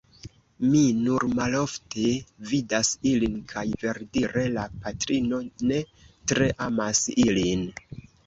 Mi nur malofte vidas ilin; kaj, verdire, la patrino ne tre amas ilin.